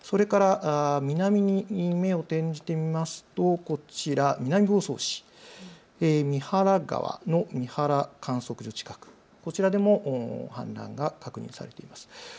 南に目を転じてみますとこちら、南房総市、三原川の三原川観測所近く、こちらでも氾濫が確認されています。